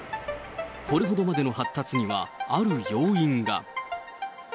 これほどまでの発達にはある要因が。